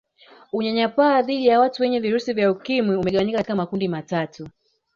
Unyanyapaa dhidi ya watu wenye virusi vya Ukimwi umegawanywa katika makundi matatu